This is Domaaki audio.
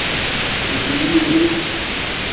بجلی بِل